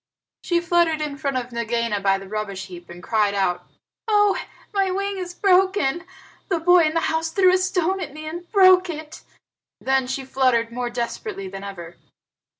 She fluttered in front of Nagaina by the rubbish heap and cried out, "Oh, my wing is broken! The boy in the house threw a stone at me and broke it." Then she fluttered more desperately than ever.